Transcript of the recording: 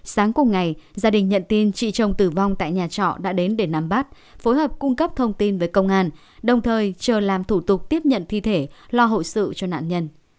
sáng cùng ngày gia đình nhận tin chị trông tử vong tại nhà trọ đã đến để nắm bắt phối hợp cung cấp thông tin với công an đồng thời chờ làm thủ tục tiếp nhận thi thể lo hậu sự cho nạn nhân